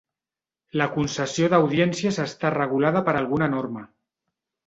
La concessió d'audiències està regulada per alguna norma.